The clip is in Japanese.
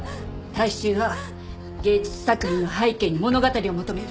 大衆は芸術作品の背景に物語を求める。